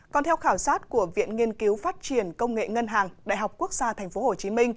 còn theo khảo sát của viện nghiên cứu phát triển công nghệ ngân hàng đại học quốc gia tp hcm